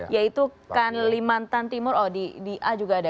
yaitu kalimantan timur oh di a juga ada